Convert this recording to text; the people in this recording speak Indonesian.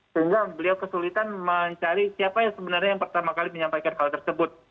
sehingga beliau kesulitan mencari siapa yang sebenarnya yang pertama kali menyampaikan hal tersebut